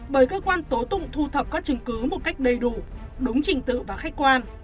bởi cơ quan tố tụng thu thập các chứng cứ một cách đầy đủ đúng trình tự và khách quan